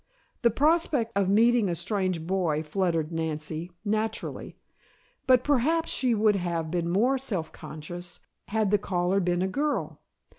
The prospect of meeting a strange boy fluttered Nancy, naturally, but Perhaps she would have been more self conscious had the caller been a girl.